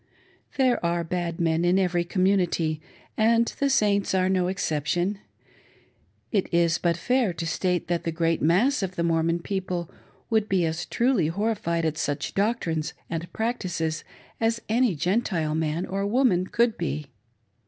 There are bad men in every community, and the Saints are no exception. It is but fair to state that the great mass of the Mormon people would be as truly horri fied at such doctrines and practices as any Gentile man or woman could be.